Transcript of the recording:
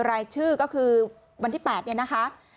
รายชื่อก็คือวันที่๘เนี่ยนะคะ